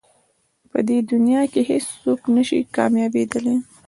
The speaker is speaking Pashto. په دې دنیا کې هېڅ څوک نه شي کامیابېدلی.